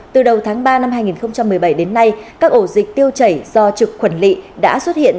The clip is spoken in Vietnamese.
từ đầu tháng ba năm hai nghìn một mươi bảy đến nay các ổ dịch tiêu chảy do trực khuẩn lị đã xuất hiện